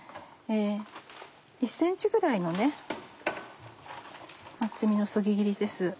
１ｃｍぐらいの厚みのそぎ切りです。